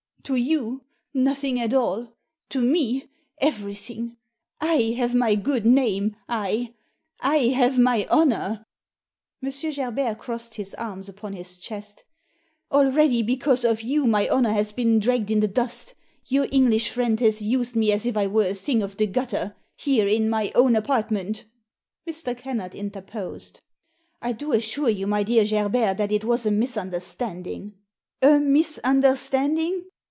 "To you — nothing at all To me — everything. I have my good name — I ! I have my honour !" M. Gerbert crossed his arms upon his chest "Al ready, because of you, my honour has been dragged in the dust Your English friend has used me as if I were a thing of the gutter, here, in my own apartment" Mr. Kennard interposed. Digitized by VjOOQIC THE ASSASSIN 191 " I do assure you, my dear Gerbert, that it was a misunderstanding." " A misunderstanding